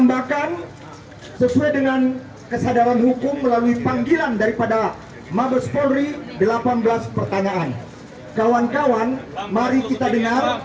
jangan lupa like share dan subscribe ya